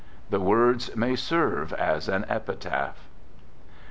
" The words may serve as an epitaph.